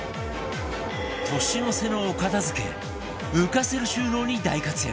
年の瀬のお片付け浮かせる収納に大活躍